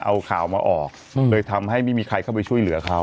เอาข่าวมาออกเลยทำให้ไม่มีใครเข้าไปช่วยเหลือเขา